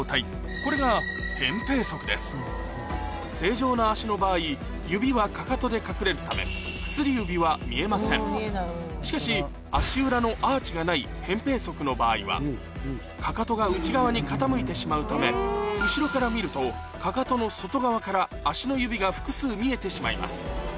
これが正常な足の場合指はかかとで隠れるためしかし足裏のアーチがないかかとが内側に傾いてしまうため後ろから見るとかかとの外側から足の指が複数見えてしまいます